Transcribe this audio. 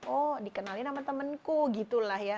oh dikenalin sama temenku gitu lah ya